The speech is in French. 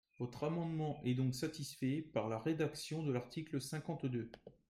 Votre amendement est donc satisfait par la rédaction de l’article cinquante-deux.